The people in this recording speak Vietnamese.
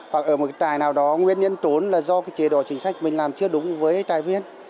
hoặc ở một trại nào đó nguyên nhân trốn là do chế độ chính sách mình làm chưa đúng với trại viên